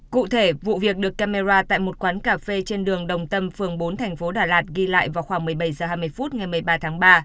cụ thể vụ việc được camera tại một quán cà phê trên đường đồng tâm phường bốn thành phố đà lạt ghi lại vào khoảng một mươi bảy h hai mươi phút ngày một mươi ba tháng ba